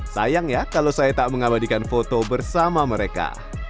sayang ya kalau saya tak mengabadikan foto bersama mereka